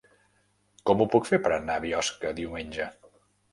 Com ho puc fer per anar a Biosca diumenge?